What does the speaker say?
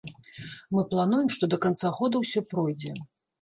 Мы плануем, што да канца года ўсё пройдзе.